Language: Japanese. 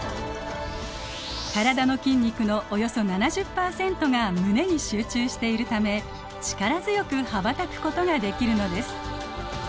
体の筋肉のおよそ７０％が胸に集中しているため力強く羽ばたくことができるのです。